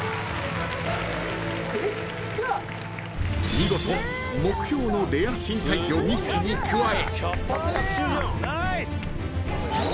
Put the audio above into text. ［見事目標のレア深海魚２匹に加え］